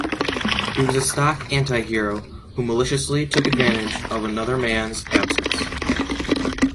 He was a stock anti-hero who maliciously took advantage of another man's absence.